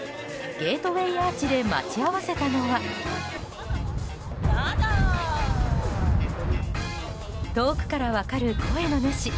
ゲートウェーアーチで待ち合わせたのは遠くから分かる声の主。